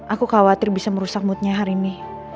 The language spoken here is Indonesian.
aku khawatir bisa merusak moodnya hari ini